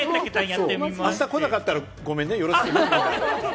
あした来なかったらごめんね、よろしくね、皆さん。